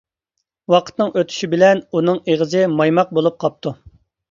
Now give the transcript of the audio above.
ۋاقىتنىڭ ئۆتۈشى بىلەن ئۇنىڭ ئېغىزى مايماق بولۇپ قاپتۇ.